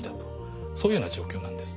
そういうような状況なんです。